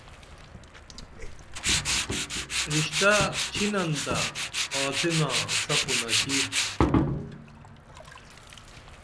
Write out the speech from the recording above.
رشتہ ڇھینن تہ آڅِنا سپونہ کی